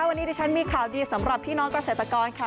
วันนี้ดิฉันมีข่าวดีสำหรับพี่น้องเกษตรกรค่ะ